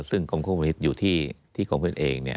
ซึ่งกรมควบคุมมลพิษอยู่ที่กรมคุมมลพิษเอง